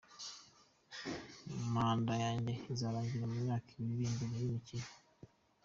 "Manda yanjye izarangira mu myaka ibiri iri imbere y'imikino.